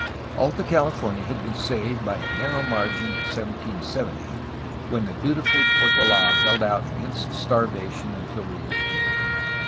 Alta California had been saved by a narrow margin in 1770, when the dutiful Portola held out against starvation until relief came.